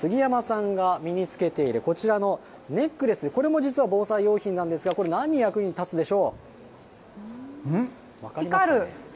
杉山さんが身につけている、こちらのネックレス、これも実は防災用品なんですが、これ、なんの役光る！